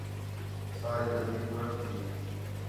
سارا ردی ٹرک تی